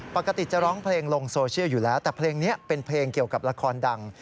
ปกติจะร้องเพลงลงโซเชียลอยู่แล้วแต่เพลงนี้เป็นเพลงเกี่ยวกับละครดัง